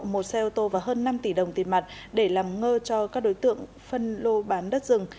một xe ô tô và hơn năm tỷ đồng tiền mặt để làm ngơ cho các đối tượng phân lô bán đất rừng